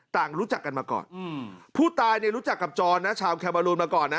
ต่างรู้จักกันมาก่อนผู้ตายเนี่ยรู้จักกับแคมมารูนมาก่อนนะ